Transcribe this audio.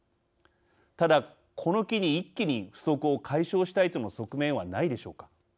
ただ、この機に一気に不足を解消したいとの側面はないでしょうか。